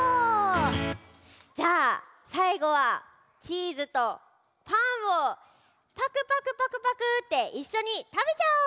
じゃあさいごはチーズとパンをパクパクパクパクっていっしょにたべちゃおう！